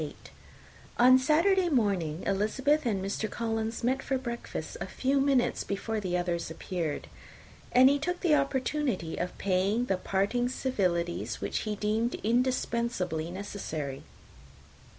On Saturday morning Elizabeth and Mr. Collins met for breakfast a few minutes before the others appeared; and he took the opportunity of paying the parting civilities which he deemed indispensably necessary.